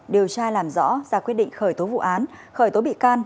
điều tra làm rõ ra quyết định khởi tố vụ án khởi tố bị can